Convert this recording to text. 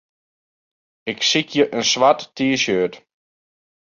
Ik sykje in swart T-shirt.